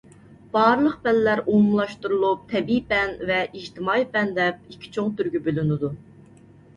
بارلىق پەنلەر ئومۇملاشتۇرۇلۇپ تەبىئىي پەن ۋە ئىجتىمائىي پەن دەپ ئىككى چوڭ تۈرگە بۆلۈنىدۇ.